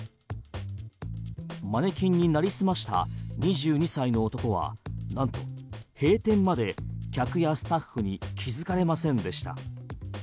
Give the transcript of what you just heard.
マネキンになりすました２２歳の男はなんと閉店まで客やスタッフに気づかれませんでした。